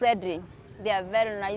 mereka sangat berani